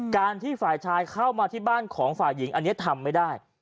การที่ฝ่ายชายเข้ามาที่บ้านของฝ่ายหญิงอันนี้ทำไม่ได้